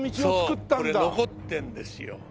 これ残ってるんですよ。